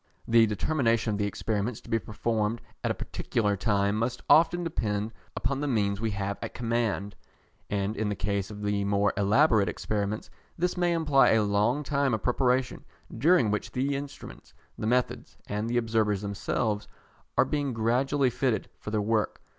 The determination of the experiments to be performed at a particular time must often depend upon the means we have at command, and in the case of the more elaborate experiments, this may imply a long time of preparation, during which the instruments, the methods, and the observers themselves, are being gradually fitted for their work.